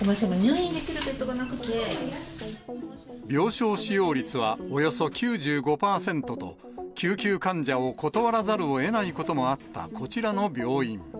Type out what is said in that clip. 今、病床使用率はおよそ９５％と、救急患者を断らざるをえないこともあったこちらの病院。